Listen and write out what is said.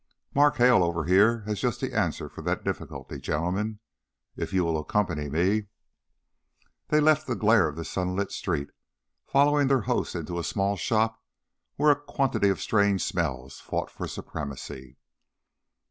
"Mark Hale over here has just the answer for that difficulty, gentlemen. If you will accompany me " They left the glare of the sunlit street, following their host into a small shop where a quantity of strange smells fought for supremacy.